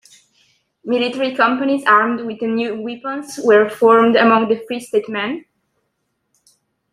Military companies armed with the new weapons wer formed among the free-state men.